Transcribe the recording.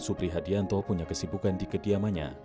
supri hadianto punya kesibukan di kediamannya